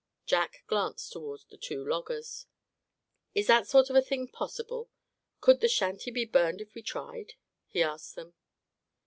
Jack glanced toward the two loggers. "Is that sort of a thing possible; could the shanty be burned if we tried?" he asked them.